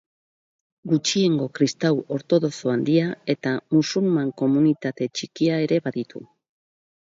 Gutxiengo kristau ortodoxo handia eta musulman komunitate txikia ere baditu.